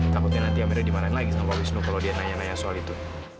takutnya nanti amerika dimarahin lagi sama pak wisnu kalau dia nanya nanya soal itu